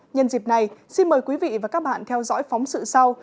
nhân dịp này xin mời quý vị và các bạn theo dõi phóng sự sau